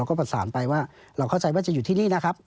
ก็ประสานไปว่าเราเข้าใจว่าจะอยู่ที่นี่นะครับ